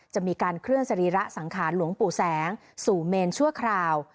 จะมีการเคลื่อนสรีระสังขารหลวงปู่แสงสู่เมนชั่วคราว